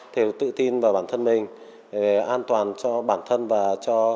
đều tự tin vào bản thân mình an toàn cho bản thân và cho